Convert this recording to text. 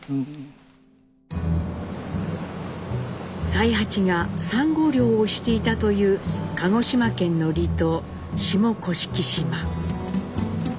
才八がサンゴ漁をしていたという鹿児島県の離島下甑島。